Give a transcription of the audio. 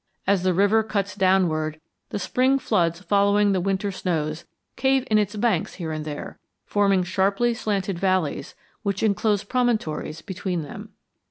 As the river cuts downward, the spring floods following the winter snows cave in its banks here and there, forming sharply slanted valleys which enclose promontories between them.